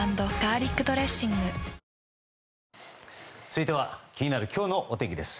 続いては気になる今日のお天気です。